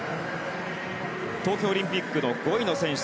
東京オリンピックの５位の選手